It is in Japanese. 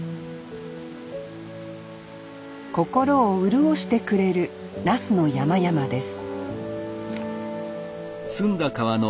心を潤してくれる那須の山々です